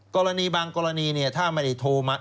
กรณีบางกรณีถ้าไม่ได้โทรมา